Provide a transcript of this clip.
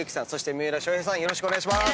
よろしくお願いします。